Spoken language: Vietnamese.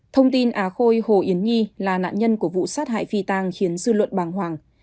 thông tin á khôi hồ yến nhi là nạn nhân của vụ sát hại phi tăng khiến dư luận bàng hoàng